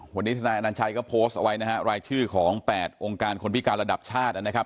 วันนี้ทนายอนัญชัยก็โพสต์เอาไว้นะฮะรายชื่อของ๘องค์การคนพิการระดับชาตินะครับ